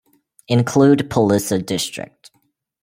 Include Pallisa district.